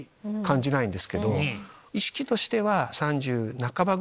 意識としては。